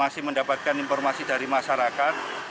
masih mendapatkan informasi dari masyarakat